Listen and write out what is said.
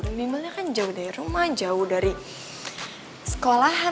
dan bimbelnya kan jauh dari rumah jauh dari sekolahan